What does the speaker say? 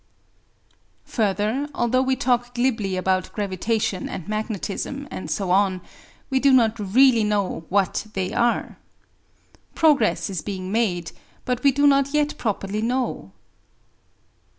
Further, although we talk glibly about gravitation and magnetism, and so on, we do not really know what they are. Progress is being made, but we do not yet properly know.